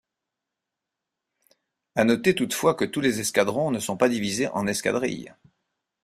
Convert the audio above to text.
À noter toutefois, que tous les escadrons ne sont pas divisés en escadrilles.